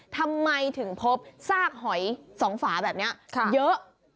ทำไมถึงพบซากหอย๒ฝาแบบนี้เยอะ